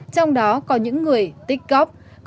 trong đó có những người tích góp